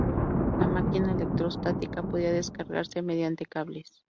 La máquina electrostática podía descargarse mediante cables.